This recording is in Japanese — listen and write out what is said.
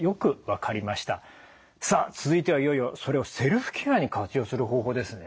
さあ続いてはいよいよそれをセルフケアに活用する方法ですね。